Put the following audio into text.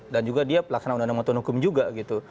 dan juga dia laksanakan undang undang hukum juga gitu